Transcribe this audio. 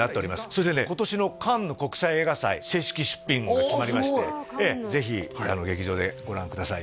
それでね今年のカンヌ国際映画祭正式出品が決まりましてぜひ劇場でご覧ください